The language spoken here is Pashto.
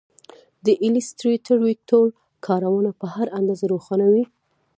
د ایلیسټریټر ویکتور کارونه په هر اندازه روښانه وي.